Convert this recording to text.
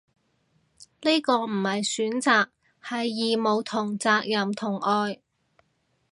呢個唔係選擇，係義務同責任同愛